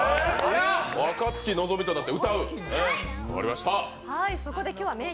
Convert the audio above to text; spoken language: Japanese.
若槻のぞみとなって歌う？